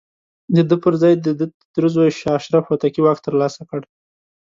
د ده پر ځاى د ده تره زوی شاه اشرف هوتکي واک ترلاسه کړ.